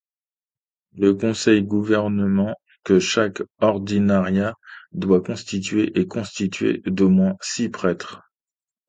Le conseil gouvernement, que chaque ordinariat doit constituer, est constitué d'au moins six prêtres.